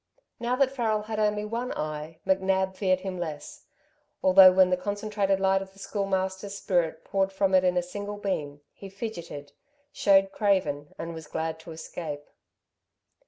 Now that Farrel had only one eye, McNab feared him less, although when the concentrated light of the Schoolmaster's spirit poured from it in a single beam, he fidgeted, showed craven and was glad to escape.